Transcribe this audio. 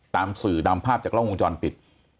ตามสื่อตามภาพจากกล้องวงจรปิด